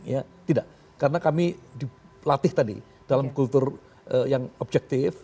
ya tidak karena kami dilatih tadi dalam kultur yang objektif